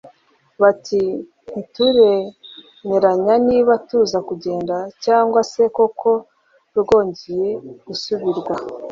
Bati “Ntituramenya niba tuza kugenda cyangwa se koko rwongeye gusubikwa